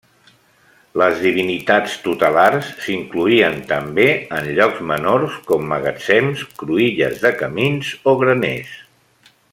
Les divinitats tutelars s'incloïen també en llocs menors, com magatzems, cruïlles de camins o graners.